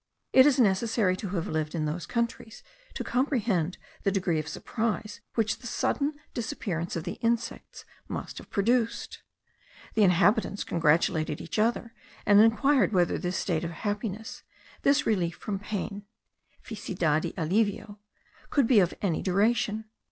It is necessary to have lived in those countries to comprehend the degree of surprise which the sudden disappearance of the insects must have produced. The inhabitants congratulated each other, and inquired whether this state of happiness, this relief from pain (feicidad y alivio), could be of any duration.